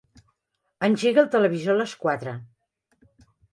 Engega el televisor a les quatre.